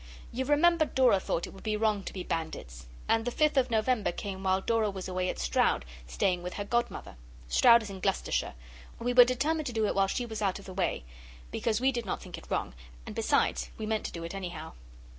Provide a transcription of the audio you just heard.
You remember Dora thought it would be wrong to be bandits. And the Fifth of November came while Dora was away at Stroud staying with her godmother. Stroud is in Gloucestershire. We were determined to do it while she was out of the way, because we did not think it wrong, and besides we meant to do it anyhow.